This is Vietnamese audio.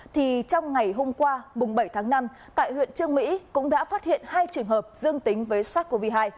thì trong ngày hôm qua bảy tháng năm tại huyện trương mỹ cũng đã phát hiện hai trường hợp dương tính với sars cov hai